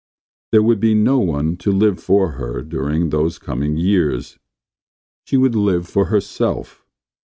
There would be no one to live for her during those coming years; she would live for herself.